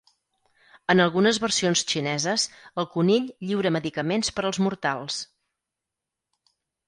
En algunes versions xineses, el conill lliura medicaments per als mortals.